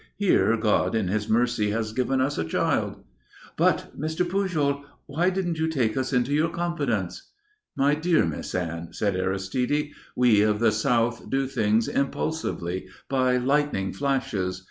Here God in his mercy has given us a child.' But, Mr. Pujol, why didn't you take us into your confidence?" "My dear Miss Anne," said Aristide, "we of the South do things impulsively, by lightning flashes.